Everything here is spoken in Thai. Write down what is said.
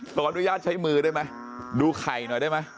ขออนุญาตใช้มือได้มั้ยดูไข่หน่อยได้มั้ย